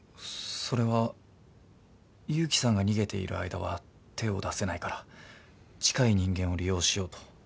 それは勇気さんが逃げている間は手を出せないから近い人間を利用しようと。